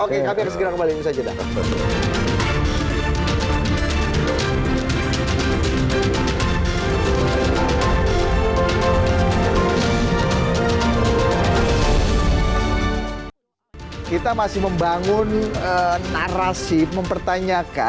kita break dulu kita gak boleh chat in lagi